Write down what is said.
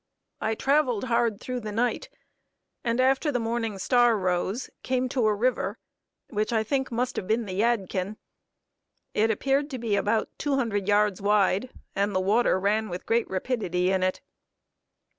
I traveled hard through the night, and after the morning star rose; came to a river; which I think must have been the Yadkin. It appeared to be about two hundred yards wide, and the water ran with great rapidity in it.